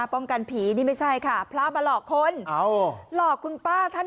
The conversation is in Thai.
ป้องกันผีนี่ไม่ใช่ค่ะพระมาหลอกคนหลอกคุณพ่อท่าน